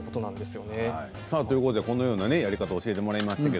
このようなやり方を教えてもらいました。